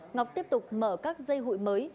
ngọc tiếp tục mở các dây hụi mới